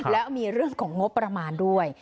แล้วมีเรื่องของงบประมาณด้วย